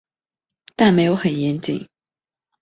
但没有很严谨